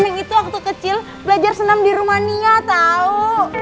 nenek itu waktu kecil belajar senam di rumania tau